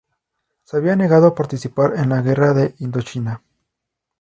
Se había negado a participar en la guerra de Indochina.